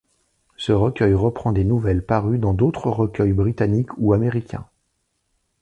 Ce recueil reprend des nouvelles parues dans d'autres recueils britanniques ou américains.